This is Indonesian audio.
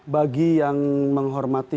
bagi yang menghormati